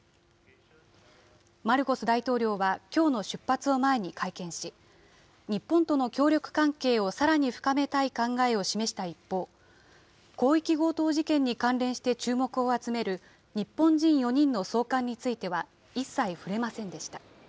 マルコス大統領はきょうの出発を前に会見し、日本との協力関係をさらに深めたい考えを示した一方、広域強盗事件に関連して注目を集める日本人４人の送還については、一切触れませんでした。